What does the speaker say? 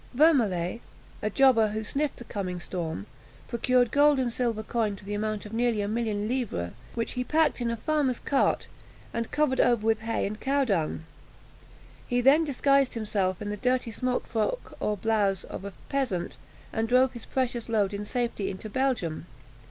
Vermalet, a jobber, who sniffed the coming storm, procured gold and silver coin to the amount of nearly a million of livres, which he packed in a farmer's cart, and covered over with hay and cow dung. He then disguised himself in the dirty smock frock, or blouse, of a peasant, and drove his precious load in safety into Belgium.